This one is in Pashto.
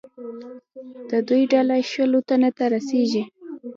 د دوی ډله شلو تنو ته رسېږي.